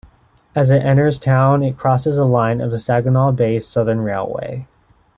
As it enters town, it crosses a line of the Saginaw Bay Southern Railway.